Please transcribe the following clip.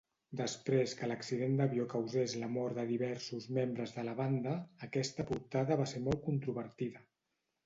Després que l'accident d'avió causés la mort de diversos membres de la banda, aquesta portada va ser molt controvertida.